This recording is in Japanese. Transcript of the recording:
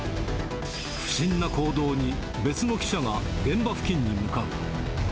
不審な行動に、別の記者が現場付近に向かう。